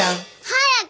早く。